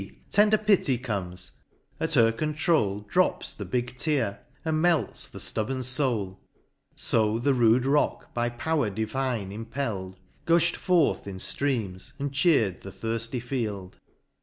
tender Pity comes ;— at her controul, Drops the big tear, and melts the flubborn foul ; So the rude rock by power divine impelFd, Gufli'd forth in ftreams, and cheer'd the thirfty field.